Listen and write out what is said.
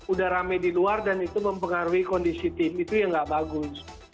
udah rame di luar dan itu mempengaruhi kondisi tim itu yang nggak bagus